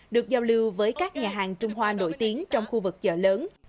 được giao lưu với các nhà hàng trung hoa nổi tiếng trong khu vực chợ lớn